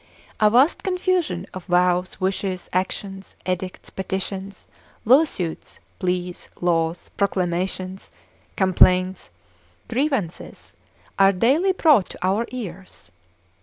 A vast confusion of vows, wishes, actions, edicts, petitions, lawsuits, pleas, laws, proclamations, complaints, grievances are daily brought to our ears.